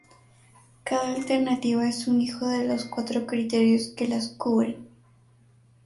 Cada alternativa es un hijo de los cuatro criterios que las cubren.